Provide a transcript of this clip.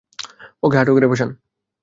ওকে হাঁটুগেঁড়ে বসান।